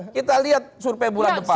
kita lihat survei bulan depan